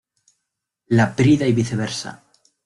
Laprida y viceversa.